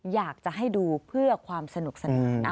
อยากจะให้ดูเพื่อความสนุกสนานนะ